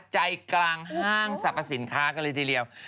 ใจกลางห้างสรรพสินค้ากันเลยทีเดียว